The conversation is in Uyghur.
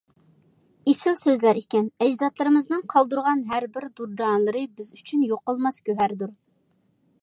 ئېسىل سۆزلەر ئىكەن، ئەجدادلىرىمىزنىڭ قالدۇرغان ھەر بىر دۇردانىلىرى بىز ئۈچۈن يوقالماس گۆھەردۇر.